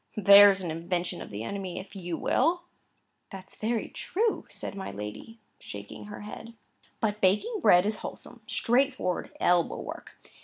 There's an invention of the enemy, if you will!" "That's very true!" said my lady, shaking her head. "But baking bread is wholesome, straightforward elbow work.